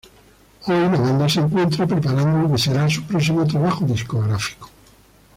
Hoy la banda se encuentra preparando lo que será su próximo trabajo discográfico.